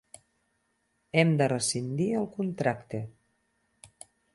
Hem de rescindir el contracte.